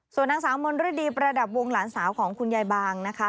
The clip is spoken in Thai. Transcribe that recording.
ส่วนนางสาวมนฤดีประดับวงหลานสาวของคุณยายบางนะคะ